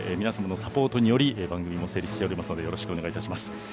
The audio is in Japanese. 皆さまのサポートにより番組も成立していますのでよろしくお願いいたします。